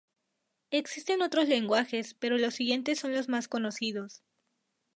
Existen otros lenguajes pero los siguientes son los más conocidos.